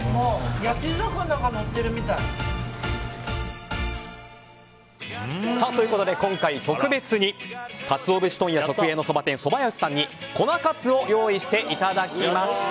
焼き魚がのってるみたい。ということで今回特別にカツオ節問屋直営のそば店そばよしさんに粉かつおを用意していただきました。